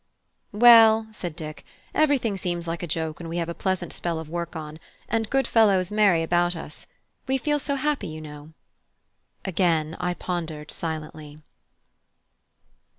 "Well," said Dick, "everything seems like a joke when we have a pleasant spell of work on, and good fellows merry about us; we feels so happy, you know." Again I pondered silently.